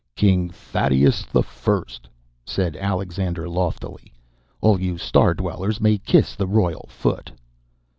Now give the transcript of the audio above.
"King Thaddeus the First," said Alexander loftily. "All you star dwellers may kiss the royal foot."